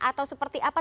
atau seperti apa